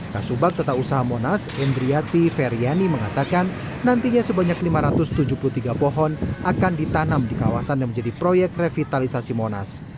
kasubag tata usaha monas endriati feryani mengatakan nantinya sebanyak lima ratus tujuh puluh tiga pohon akan ditanam di kawasan yang menjadi proyek revitalisasi monas